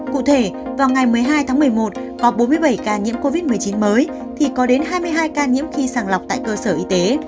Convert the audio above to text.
cụ thể vào ngày một mươi hai tháng một mươi một có bốn mươi bảy ca nhiễm covid một mươi chín mới thì có đến hai mươi hai ca nhiễm khi sàng lọc tại cơ sở y tế